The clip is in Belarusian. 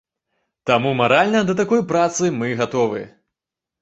Таму маральна да такой працы мы гатовы.